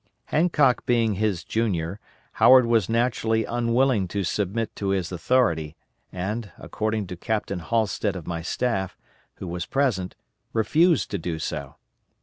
Hancock being his junior, Howard was naturally unwilling to submit to his authority and, according to Captain Halstead of my staff, who was present, refused to do so.